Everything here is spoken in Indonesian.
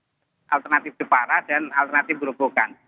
jalur alternatif depara dan alternatif berobokan